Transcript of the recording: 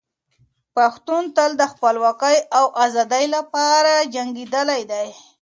پښتون تل د خپلواکۍ او ازادۍ لپاره جنګېدلی دی.